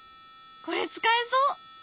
これ使えそう！